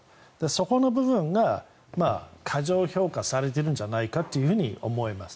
そこの部分が過剰評価されているんじゃないかと思います。